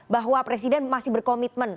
bahwa presiden masih berkomitmen